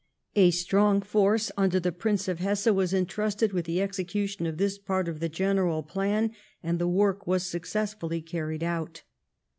A strong force under the Prince of Hesse was entrusted with the execution of this part of the general plan, and the work was successfully carried out.